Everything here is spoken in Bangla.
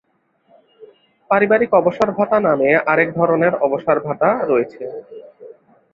পারিবারিক অবসরভাতা নামে আরেক ধরনের অবসরভাতা রয়েছে।